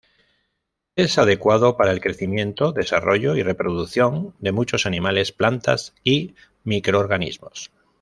Es adecuado para el crecimiento, desarrollo y reproducción de muchos animales, plantas y microorganismos.